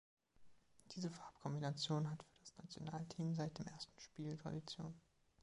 Diese Farbkombination hat für das Nationalteam seit dem ersten Spiel Tradition.